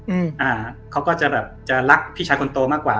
อืมอ่าเขาก็จะแบบจะรักพี่ชายคนโตมากกว่า